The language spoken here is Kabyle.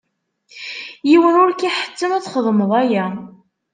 Yiwen ur k-iḥettem ad txedmeḍ aya.